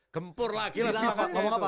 gempur lagi lah semangatnya itu